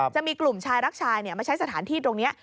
จะมีกลุ่มชายรักชายมาใช้สถานที่ตรงนี้